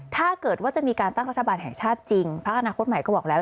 ถ้าเกิดว่าจะมีการตั้งรัฐบาลแห่งชาติจริงพักอนาคตใหม่ก็บอกแล้ว